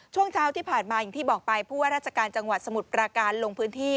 ช่วงเช้าที่ผ่านมาอย่างที่บอกไปผู้ว่าราชการจังหวัดสมุทรปราการลงพื้นที่